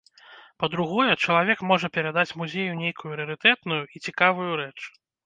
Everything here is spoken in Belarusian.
Па-другое, чалавек можа перадаць музею нейкую рарытэтную і цікавую рэч.